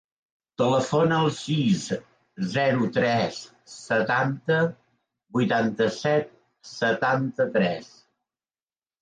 Telefona al sis, zero, tres, setanta, vuitanta-set, setanta-tres.